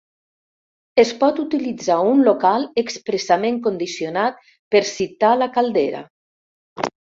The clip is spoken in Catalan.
Es pot utilitzar un local expressament condicionat per citar la caldera.